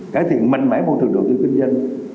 cải thiện mạnh mẽ môi trường đầu tư kinh doanh